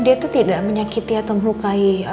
dia itu tidak menyakiti atau melukai